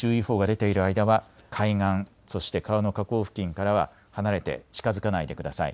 津波注意報が出ている間は海岸、そして川の河口付近からは離れて近づかないでください。